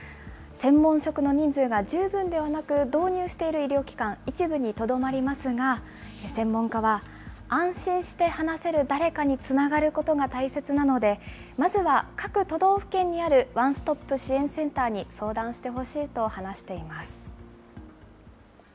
専門職の人数が十分ではなく、導入している医療機関、一部にとどまりますが、専門家は、安心して話せる誰かにつながることが大切なので、まずは各都道府県にあるワンストップ支援センターに相談してほしいと話しています。